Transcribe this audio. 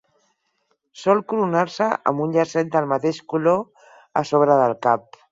Sol coronar-se amb un llacet del mateix color a sobre del cap.